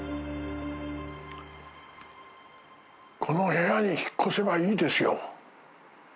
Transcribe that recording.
この部屋に引っ越せばいいですよ。